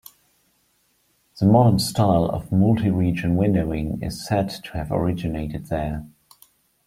The modern style of multi-region windowing is said to have originated there.